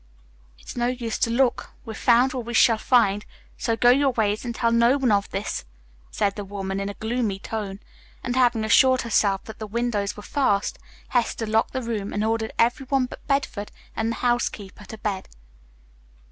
"It's no use to look, we've found all we shall find so go your ways and tell no one of this," said the woman in a gloomy tone, and, having assured herself that the windows were fast, Hester locked the room and ordered everyone but Bedford and the housekeeper to bed.